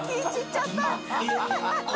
ハハハ ）